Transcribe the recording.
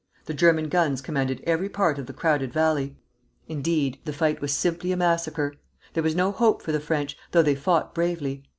The German guns commanded every part of the crowded valley. Indeed, the fight was simply a massacre. There was no hope for the French, though they fought bravely.